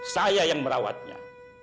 saya yang merawatnya